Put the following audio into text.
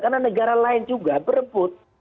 karena negara lain juga berebut